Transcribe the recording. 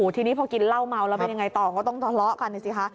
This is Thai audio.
ทีนี้พอกินเหล้าเมาแล้วเป็นยังไงต่อก็ต้องทะเลาะกันสิคะ